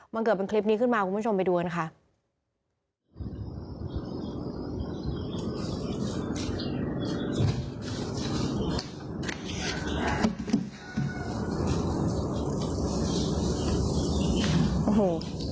มันเกิดเป็นคลิปนี้ขึ้นมาคุณผู้ชมไปดูกันค่ะ